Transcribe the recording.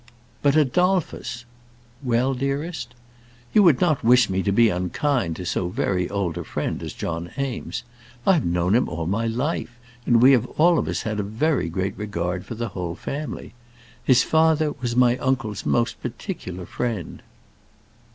"But, Adolphus " "Well, dearest?" "You would not wish me to be unkind to so very old a friend as John Eames? I have known him all my life, and we have all of us had a very great regard for the whole family. His father was my uncle's most particular friend."